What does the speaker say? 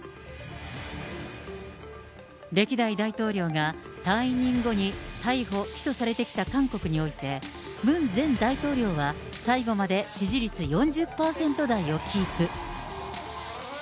歴代大統領が退任後に逮捕・起訴されてきた韓国において、ムン前大統領は最後まで支持率４０％台をキープ。